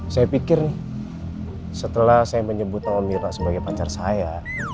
saya pikir setelah saya menyebut nama mira sebagai pacar saya